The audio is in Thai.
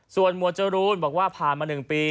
ส่วนหมวดจรูนบอกว่าผ่านมา๑ปี